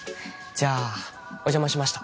じゃあお邪魔しました